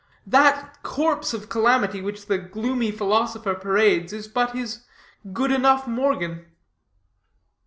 That corpse of calamity which the gloomy philosopher parades, is but his Good Enough Morgan."